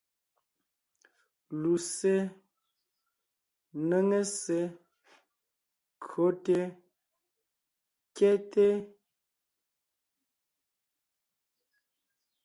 Lussé, néŋe ssé, kÿote, kyɛ́te.